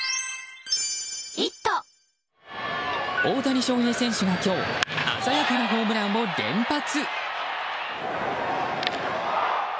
大谷翔平選手が今日鮮やかなホームランを連発！